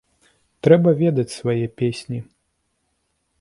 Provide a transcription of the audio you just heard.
Трэба ведаць свае песні.